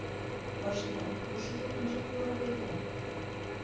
— Вашкерак ушыжо ынже пуро веле!